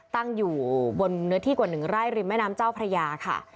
ตั้งอยู่บนเนื้อที่กว่า๑ไร่ริมแม่น้ำเจ้าพระยาค่ะ